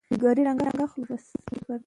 افغانستان کې پسه د نن او راتلونکي ارزښت لري.